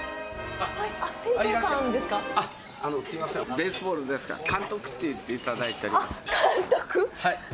あっ、あの、すみません、ベースボールですから、監督って言っていただいております。